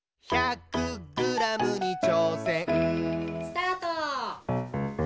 ・スタート！